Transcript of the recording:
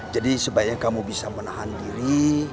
jadi sebaiknya kamu bisa menahan diri